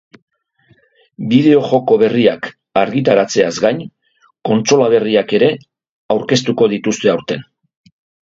Bideo joko berriak argitaratzeaz gain, kontsola berriak ere aurkeztuko dituzte aurten.